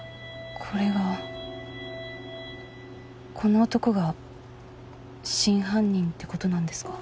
これがこの男が真犯人ってことなんですか？